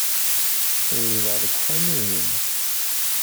Yezdeɣ deg wexxam-ihin.